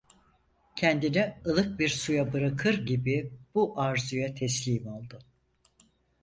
Kendini ılık bir suya bırakır gibi bu arzuya teslim oldu.